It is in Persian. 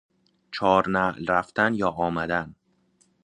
چهارنعل رفتن یا آمدن